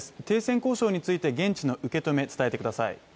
停戦交渉について現地の受け止め、伝えてください。